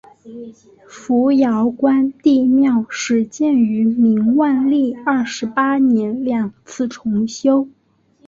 扶摇关帝庙始建于明万历二十八年两次重修。